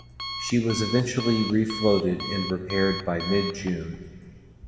She was eventually refloated and repaired by mid-June.